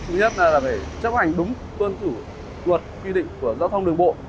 thứ nhất là phải chấp hành đúng tuân thủ luật quy định của giao thông đường bộ